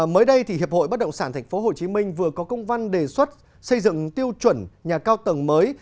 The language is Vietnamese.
mới đây hiệp hội bất động sản tp hcm vừa có công văn đề xuất xây dựng tiêu chuẩn nhà cao tầng mới